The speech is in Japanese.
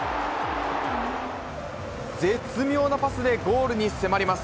絶妙なパスでゴールに迫ります。